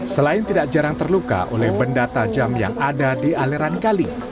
selain tidak jarang terluka oleh benda tajam yang ada di aliran kali